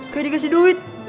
kayak dikasih duit